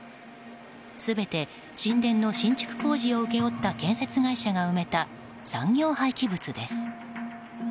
全て神殿の新築工事を請け負った建築会社が埋めた産業廃棄物です。